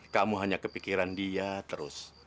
kamu hanya kepikiran dia terus